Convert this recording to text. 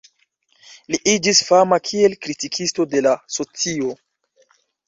Li iĝis fama kiel kritikisto de la socio.